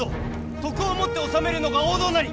徳をもって治めるのが王道なり！